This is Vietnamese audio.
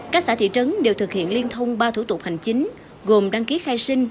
các hành chính đều thực hiện liên thông ba thủ tục hành chính gồm đăng ký khai sinh